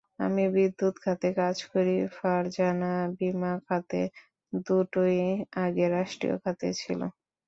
আমি বিদ্যুৎ খাতে কাজ করি, ফারজানা বিমা খাতে—দুটোই আগে রাষ্ট্রীয় খাতে ছিল।